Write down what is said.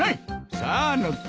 さあ乗って。